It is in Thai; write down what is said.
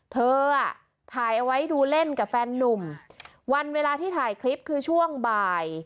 เธออ่ะถ่ายเอาไว้ดูเล่นกับแฟนนุ่มวันเวลาที่ถ่ายคลิปคือช่วงบ่าย